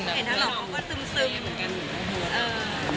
เห็นแล้วเหรอมันก็ซึม